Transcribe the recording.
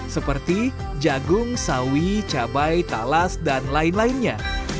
seperti jagung sawi cabai talas dan lain lainnya